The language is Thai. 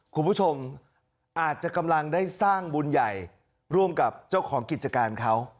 คุณผู้ชมอาจจะกำลังได้สร้างบุญใหญ่ร่วมกับเจ้าของกิจการเขา